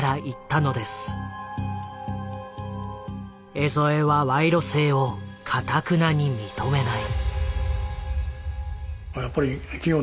江副は賄賂性をかたくなに認めない。